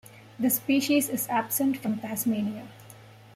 The species is absent from Tasmania.